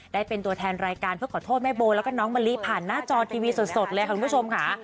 ได้เป็นตัวแทนรายการเพื่อขอโทษแม่โบแล้วก็น้องมะลิผ่านหน้าจอทีวีสดเลยค่ะคุณผู้ชมค่ะ